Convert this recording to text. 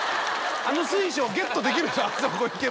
あの水晶ゲットできるでしょあそこ行けば。